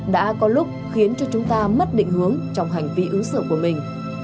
đã có lúc khiến cho chúng ta mất định hướng trong hành vi ứng xử của mình